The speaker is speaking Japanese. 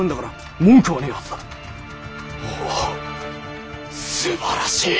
おぉすばらしい！